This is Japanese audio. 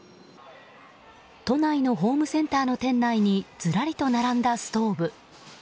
都内のホームセンターの店内にずらりと並んだストーブ。